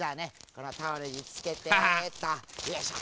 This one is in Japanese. このタオルにつけてっとよいしょ。